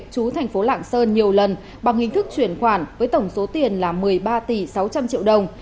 chú thành phố lạng sơn nhiều lần bằng hình thức chuyển khoản với tổng số tiền là một mươi ba tỷ sáu trăm linh triệu đồng